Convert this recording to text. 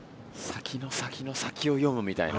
先の先の先を読むみたいな。